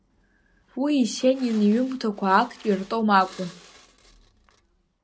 Уи Есенин иҩымҭақәа актәи ртом акәын.